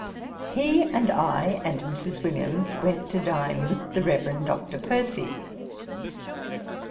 He and I, and Mrs. Williams, went to dine with the Reverend Dr. Percy.